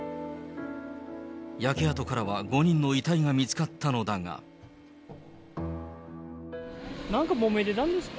焼け跡からは５人の遺体が見つかなんかもめてたんですか？